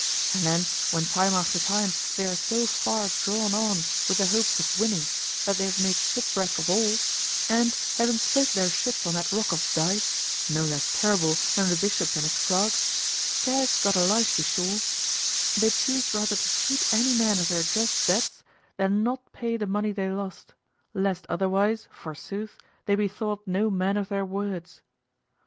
And then when time after time they are so far drawn on with the hopes of winning that they have made shipwreck of all, and having split their ship on that rock of dice, no less terrible than the bishop and his clerks, scarce got alive to shore, they choose rather to cheat any man of their just debts than not pay the money they lost, lest otherwise, forsooth, they be thought no men of their words.